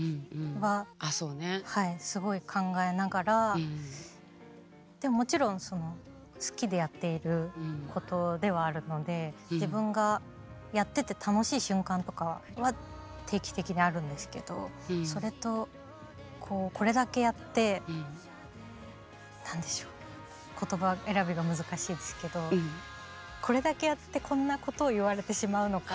はいすごい考えながらでももちろんその好きでやっていることではあるので自分がやってて楽しい瞬間とかは定期的にあるんですけどそれとこれだけやって何でしょう言葉選びが難しいですけどこれだけやってこんなことを言われてしまうのか。